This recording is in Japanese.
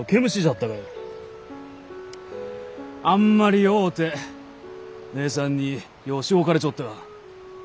あんまり弱うて姉さんにようしごかれちょった。